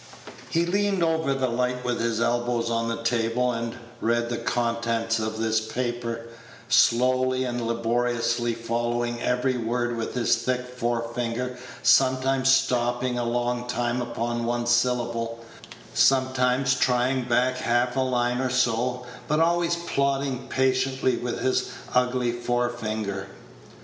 He leaned over the light with his elbows on the table, and read the contents of this paper, slowly and laboriously, following every word with his thick forefinger, sometimes stopping a long time upon one syllable, sometimes trying back half a line or so, but always plodding patiently with his ugly forefinger.